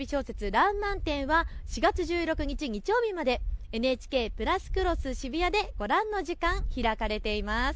らんまん展は４月１６日、日曜日までＮＨＫプラスクロスＳＨＩＢＵＹＡでご覧の時間、開かれています。